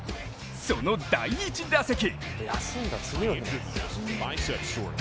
その第１打席。